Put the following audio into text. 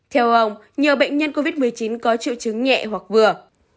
theo ông nhiều bệnh nhân covid một mươi chín có triệu chứng nhẹ hoặc vừa